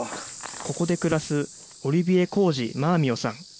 ここで暮らすオリヴィエ・浩児・マーミヨさん。